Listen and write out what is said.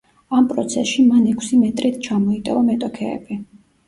ამ პროცესში მან ექვსი მეტრით ჩამოიტოვა მეტოქეები.